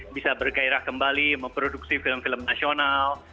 bisa bergairah kembali memproduksi film film nasional